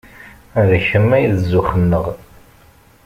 D kemm ay d zzux-nneɣ.